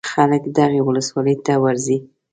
خلک دغې ولسوالۍ ته ورځي.